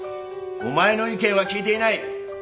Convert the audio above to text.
お前の意見は聞いていない。